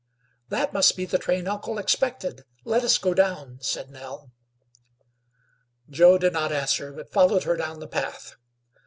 "That must be the train uncle expected. Let us go down," said Nell. Joe did not answer; but followed her down the path.